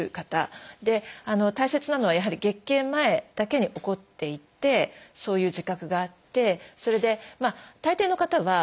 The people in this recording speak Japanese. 大切なのはやはり月経前だけに起こっていてそういう自覚があってそれで大抵の方はあれ？